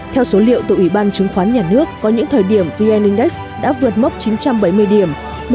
theo số liệu tổ ủy ban chứng khoán nhà nước có những thời điểm vn index đã vượt mốc chín trăm bảy mươi điểm một con số kỷ lục trong gần một mươi năm qua